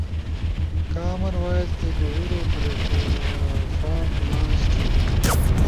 کامن وائس ایک ہورو پلیٹ فارم لانچ تھی،